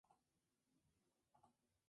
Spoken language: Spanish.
Universidad de São Paulo.